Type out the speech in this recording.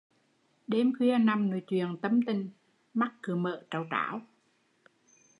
Đêm khuya nằm nói chuyện tâm tình, mắt cứ mở tráo tráo